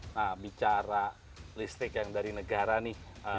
nah bicara listrik yang dari negara nih